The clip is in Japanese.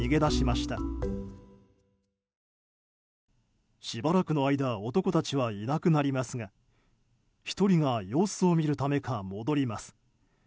しばらくの間男たちはいなくなりますが１人が様子を見るためか戻ります。